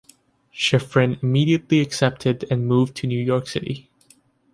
Schifrin immediately accepted and moved to New York City.